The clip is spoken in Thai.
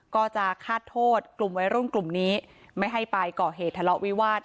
ก็จะฆาตโทษกลุ่มวัยรุ่นกลุ่มนี้ไม่ให้ไปก่อเหตุทะเลาะวิวาส